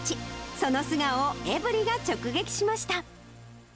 その素顔をエブリィが直撃しました。